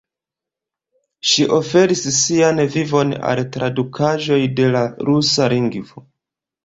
Ŝi oferis sian vivon al tradukaĵoj de la rusa lingvo.